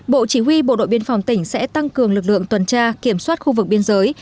bộ chỉ huy bộ đội biên phòng tỉnh sẽ tăng cường lực lượng tuần tra kiểm soát khu vực biên giới